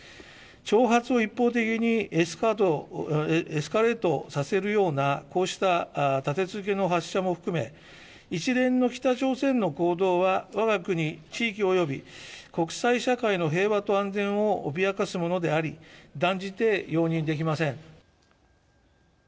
挑発を一方的にエスカレートさせるようなこうした立て続けの発射も含め一連の北朝鮮の行動はわが国、地域及び国際社会の平和と安全を脅かすものであり断じて容認できません。